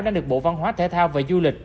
đã được bộ văn hóa thể thao và du lịch